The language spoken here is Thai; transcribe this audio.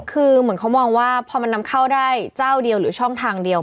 คือเหมือนเขามองว่าพอมันนำเข้าได้เจ้าเดียวหรือช่องทางเดียว